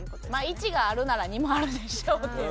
１があるなら２もあるでしょって。